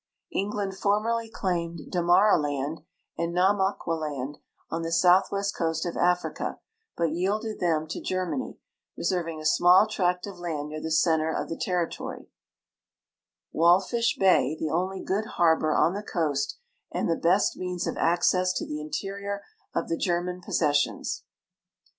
England formerly claimed Damaraland and Nama qualand, on the soutlnvest coast of Africa, l)ut yielded them to Germany, reserving a small tract of land near the center of the territory, M'alfish Ijay, the only good harl)or on the coast and the best means of access to the interior of the German possessions.